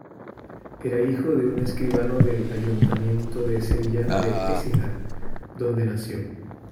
Era hijo de un escribano del Ayuntamiento de sevillana de Écija, donde nació.